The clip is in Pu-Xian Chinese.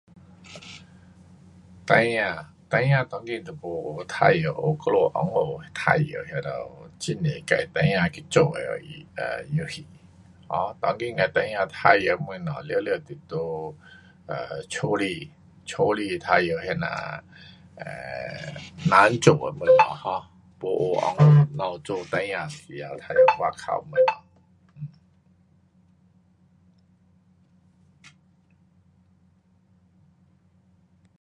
孩儿，孩儿当今都没玩耍我们温故玩耍的那头很多孩儿自去做的[um]游戏。[um]当今的孩儿玩耍东西全部是在[um]家里，家里玩耍这那人做的东西[um]没学我们做孩儿时头玩外头的东西。